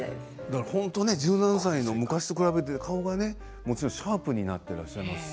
１７歳と比べて顔がシャープになっていらっしゃいます。